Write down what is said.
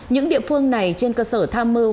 những địa phương này trên cơ sở tham mưu